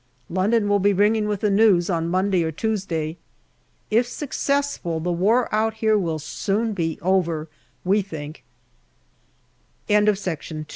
London will be ringing with the news on Monday or Tuesday. If successful, the war out here will soon be over, we